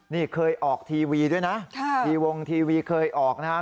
นี่เคยออกทีวีด้วยนะทีวงทีวีเคยออกนะครับ